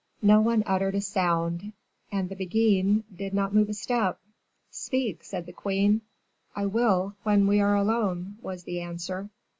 No one uttered a sound, and the Beguine did not move a step. "Speak," said the queen. "I will, when we are alone," was the answer.